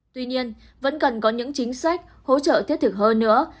tuy nhiên vẫn cần có những chính sách hỗ trợ thiết thực hơn nữa